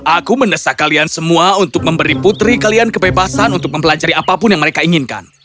aku mendesak kalian semua untuk memberi putri kalian kebebasan untuk mempelajari apapun yang mereka inginkan